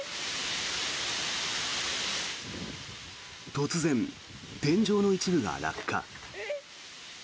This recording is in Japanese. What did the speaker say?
突然、天井の一部が落下。